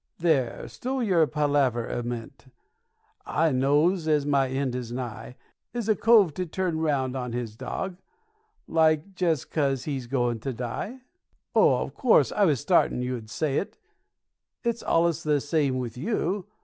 There, stow yer palaver a minit; I knows as my end is nigh; Is a cove to turn round on his dog, like, just 'cos he's goin' to die? Oh, of course, I was sartin you'd say it. It's allus the same with you.